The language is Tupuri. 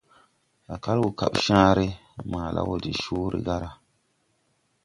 A kal wo kap caaré - maala wo de coore - gaara.